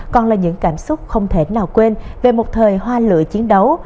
còn là những cảm xúc không thể nào quên về một thời hoa lửa chiến đấu